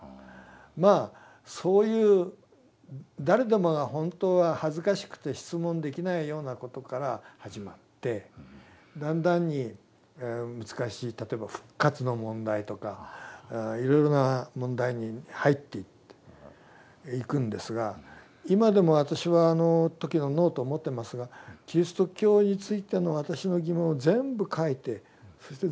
まあそういう誰でもが本当は恥ずかしくて質問できないようなことから始まってだんだんに難しい例えば復活の問題とかいろいろな問題に入っていくんですが今でも私はあの時のノートを持ってますがキリスト教についての私の疑問を全部書いてそして全部ぶつけた。